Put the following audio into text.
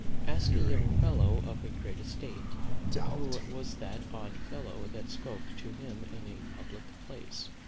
Ask a young fellow of a great estate, who was that odd fellow that spoke to him in a public place?